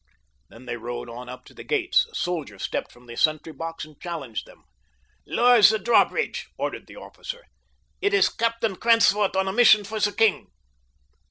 Then they rode on up to the gates. A soldier stepped from the sentry box and challenged them. "Lower the drawbridge," ordered the officer. "It is Captain Krantzwort on a mission for the king."